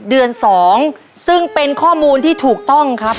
เดือน๒ซึ่งเป็นข้อมูลที่ถูกต้องครับ